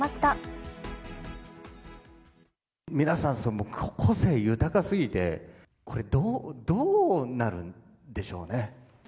皆さん、個性豊かすぎて、これ、どうなるんでしょうね。